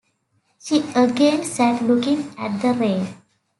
She again sat looking at the rain.